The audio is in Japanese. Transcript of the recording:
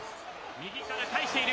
右から返している。